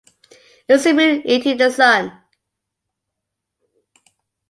Is the moon eating the sun?